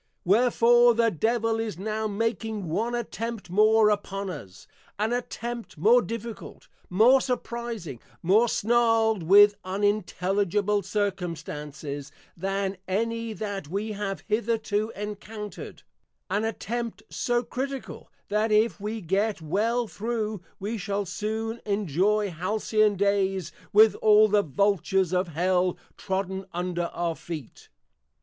_ Wherefore the Devil is now making one Attempt more upon us; an Attempt more Difficult, more Surprizing, more snarl'd with unintelligible Circumstances than any that we have hitherto Encountred; an Attempt so Critical, that if we get well through, we shall soon Enjoy Halcyon Days with all the Vultures of Hell Trodden under our Feet.